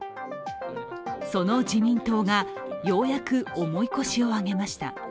その自民党がようやく重い腰を上げました。